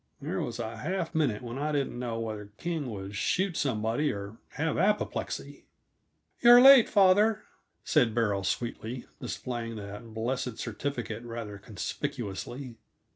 There was a half minute when I didn't know whether King would shoot somebody, or have apoplexy. "You're late, father," said Beryl sweetly, displaying that blessed certificate rather conspicuously.